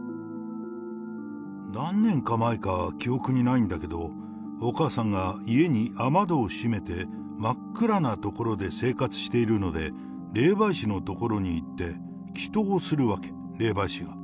何年か前か記憶にないんだけど、お母さんが家に雨戸を閉めて真っ暗な所で生活しているので、霊媒師の所に行って、祈とうするわけ、霊媒師が。